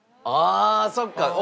ああそっか。